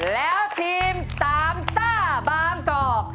แล้วทีมสามซ่าบางกอก